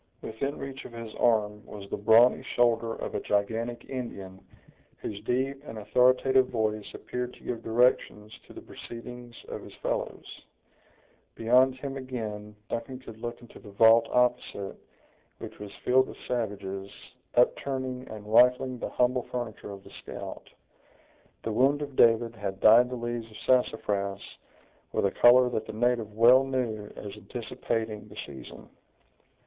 Within reach of his arm was the brawny shoulder of a gigantic Indian, whose deep and authoritative voice appeared to give directions to the proceedings of his fellows. Beyond him again, Duncan could look into the vault opposite, which was filled with savages, upturning and rifling the humble furniture of the scout. The wound of David had dyed the leaves of sassafras with a color that the native well knew as anticipating the season.